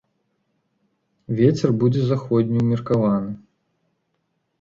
Вецер будзе заходні ўмеркаваны.